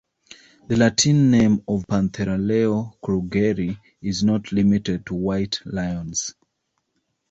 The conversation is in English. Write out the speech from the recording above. The Latin name of "Panthera leo krugeri" is not limited to white lions.